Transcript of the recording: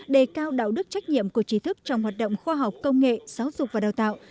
đề cao đạo đức trách nhiệm của trí thức trong hoạt động khoa học công nghệ giáo dục và đào tạo